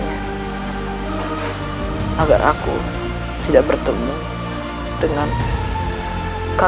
hai agar aku tidak bertemu denganmu